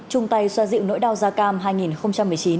trung tây xoa dịu nỗi đau gia cam hai nghìn một mươi chín